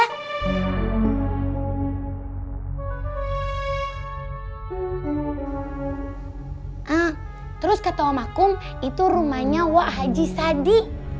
hah terus kata om akum itu rumahnya wahaji sadi